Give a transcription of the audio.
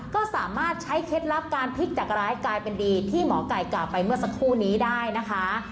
ก็สามารถใช้เคล็ดลับการพลิกจากร้ายกลายเป็นดีที่หมอไก่กล่าวไปเมื่อสักครู่นี้ได้นะคะ